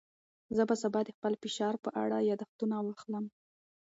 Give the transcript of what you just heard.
زه به سبا د خپل فشار په اړه یاداښتونه واخلم.